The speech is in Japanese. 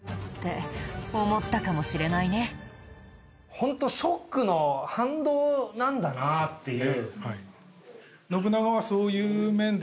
ホントショックの反動なんだなっていう。